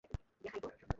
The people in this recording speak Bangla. তুমি সে পারবে।